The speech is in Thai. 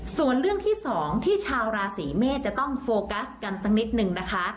ส่วนเรื่องที่สองที่ชาวราศีเมษจะต้องโฟกัสกันสักนิดนึงนะคะ